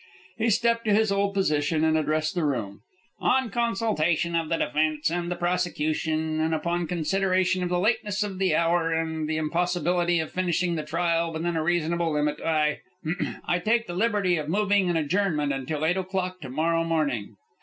He stepped to his old position and addressed the room. "On consultation of the defence and the prosecution, and upon consideration of the lateness of the hour and the impossibility of finishing the trial within a reasonable limit, I hum I take the liberty of moving an adjournment until eight o'clock to morrow morning."